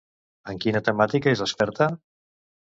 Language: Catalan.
En quina temàtica és experta?